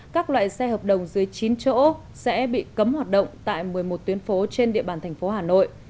các loại xe hợp đồng dưới chín chỗ sẽ bị cấm hoạt động tại một mươi một tuyến phố trên địa bàn thành phố hà nội